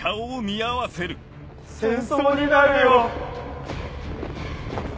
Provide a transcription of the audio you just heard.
戦争になるよ。